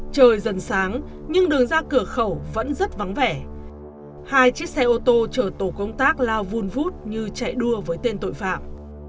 trời dần sáng nhưng đường ra cửa khẩu vẫn rất vắng vẻ hai chiếc xe ô tô chở tổ công tác lao vun vút như chạy đua với tên tội phạm